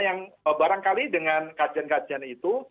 yang barangkali dengan kasihan kasihan itu